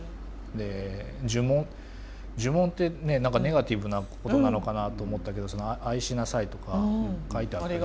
で呪文呪文ってねネガティブなことなのかなと思ったけど「あいしなさい」とか書いてあった。